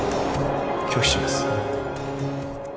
・拒否します